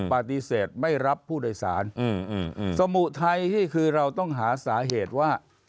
ปฏิเสธไม่รับผู้โดยสารสมุไทยนี่คือเราต้องหาสาเหตุว่า